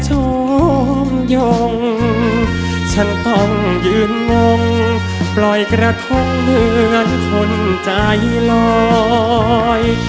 ชมยงฉันต้องยืนงงปล่อยกระทงเหมือนคนใจลอย